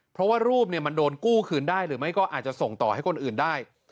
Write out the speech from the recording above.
เพราะว่ารูปมันโดนกู้คืนได้หรือไม่ก็อาจจะส่งต่อให้คนอื่นได้